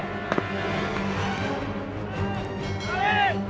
kita tidak ada ruang